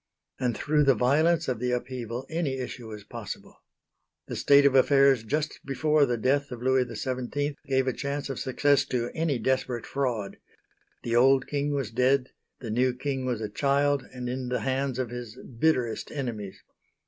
And through the violence of the upheaval any issue was possible. The state of affairs just before the death of Louis XVII gave a chance of success to any desperate fraud. The old King was dead, the new King was a child and in the hands of his bitterest enemies.